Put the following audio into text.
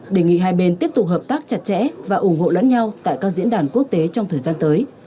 đề nghị hai bên tiếp tục hợp tác chặt chẽ và ủng hộ lẫn nhau tại các diễn đàn quốc tế trong thời gian tới